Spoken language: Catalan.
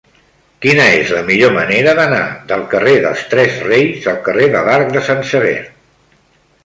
Quina és la millor manera d'anar del carrer dels Tres Reis al carrer de l'Arc de Sant Sever?